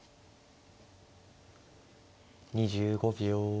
２５秒。